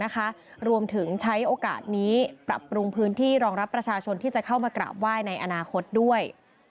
คลับปรุงพื้นที่รองรับประชาชนที่จะเข้ามากราบหวายในอนาคตด้วย